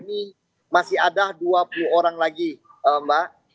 ini masih ada dua puluh orang lagi mbak